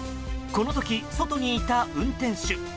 この時、外にいた運転手。